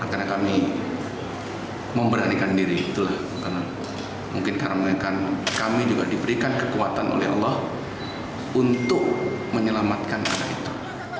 karena kami memberanikan diri mungkin karena kami juga diberikan kekuatan oleh allah untuk menyelamatkan anak itu